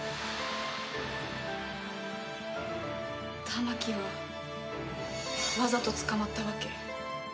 玉置はわざと捕まったわけ？